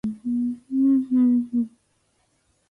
おっかないからちょっとだけ微笑んでくれませんか。